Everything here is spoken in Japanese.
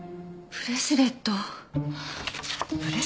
ブレスレット？